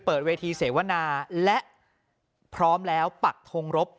เปิดเวทีเสวนาและพร้อมแล้วปักทงรบ